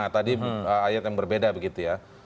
tadi ayat yang berbeda begitu ya